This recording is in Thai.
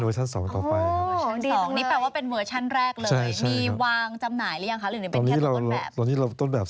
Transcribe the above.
นี่ฉันสนใจชีวิตนี้เฟื้องระดาษ